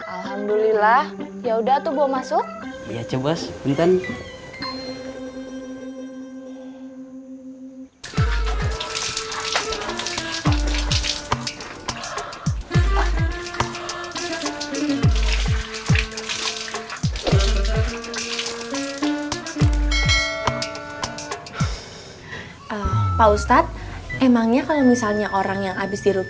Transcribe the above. alhamdulillah yaudah tuh gua masuk